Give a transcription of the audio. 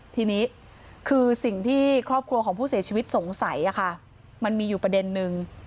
ทีนี้คือสิ่งที่ครอบครัวของผู้เสียชีวิตสงสัยมันมีอยู่ประเด็นนึง